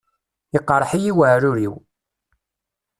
Iqṛeḥ-iyi weɛrur-iw.